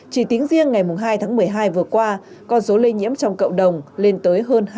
chỉ tiếng riêng ngày hai tháng một mươi hai vừa qua con số lây nhiễm trong cộng đồng lên tới hơn hai trăm linh ca